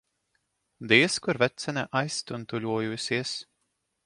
Diez kur vecene aiztuntuļojusies.